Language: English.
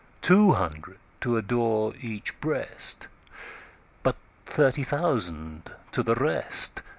Two hundred to adore each Breast:But thirty thousand to the rest.